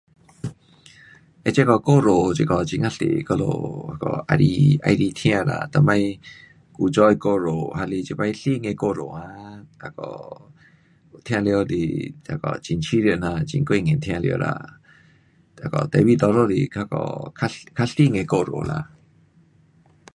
了这个故事这个很啊多我们那个喜欢，喜欢听啦，以前古早的故事还是这次新的故事啊，那个听了是那个很舒服啦，很过瘾听了啦。那个 tapi 多数是那个较，较新的故事啦。